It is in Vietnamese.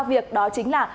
việc đó chính là